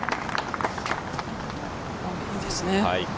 いいですね。